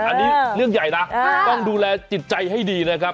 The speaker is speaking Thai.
อันนี้เรื่องใหญ่นะต้องดูแลจิตใจให้ดีนะครับ